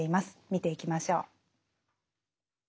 見ていきましょう。